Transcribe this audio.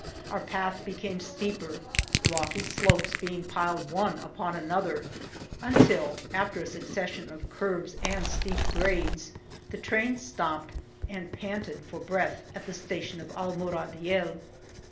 Our path became steeper, rocky slopes being piled one upon another until, after a succes sion of curves and steep grades, the train stopped and panted for breath at the wStation of Almuradiel.